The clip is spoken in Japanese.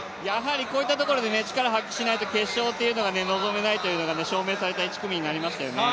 こういったところで力を発揮しないと決勝が望めないというのが証明された１組になりましたよね。